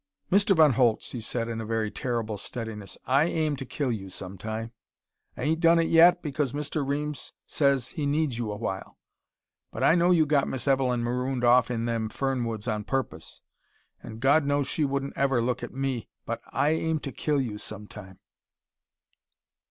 "Mr. Von Holtz," he said in a very terrible steadiness, "I aim to kill you some time. I ain't done it yet because Mr. Reames says he needs you a while. But I know you got Miss Evelyn marooned off in them fern woods on purpose! And God knows she wouldn't ever look at me, but I aim to kill you some time!"